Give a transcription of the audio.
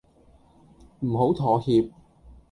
唔好妥協